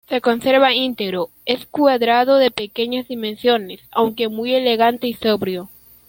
Se conserva integro, es cuadrado de pequeñas dimensiones, aunque muy elegante y sobrio.